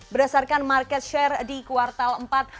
berdasarkan market share di kuartal empat dua ribu delapan belas